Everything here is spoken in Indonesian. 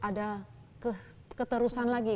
ada keterusan lagi